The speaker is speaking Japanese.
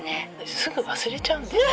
「すぐ忘れちゃうんですよ